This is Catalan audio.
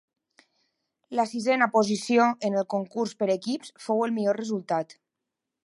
La sisena posició en el concurs per equips fou el millor resultat.